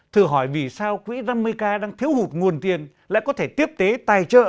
thử hỏi vì sao quỹ năm mươi k đang thiếu hụt nguồn tiền lại có thể tiếp tế tài trợ